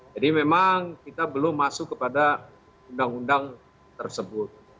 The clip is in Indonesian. jadi memang kita belum masuk kepada undang undang tersebut